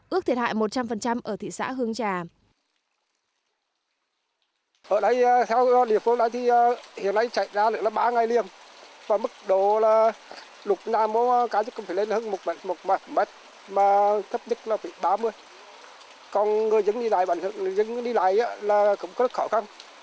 ước thiệt hại một trăm linh ở thị xã hương trà